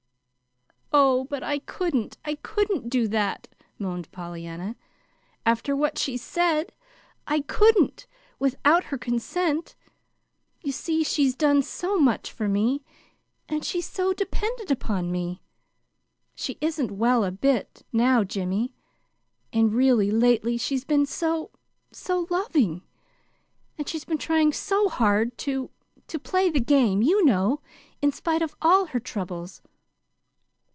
"Oh, but I couldn't I couldn't do that," moaned Pollyanna, "after what she's said. I couldn't without her consent. You see, she's done so much for me, and she's so dependent on me. She isn't well a bit, now, Jimmy. And, really, lately she's been so so loving, and she's been trying so hard to to play the game, you know, in spite of all her troubles.